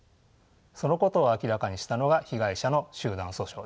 そのことを明らかにしたのが被害者の集団訴訟です。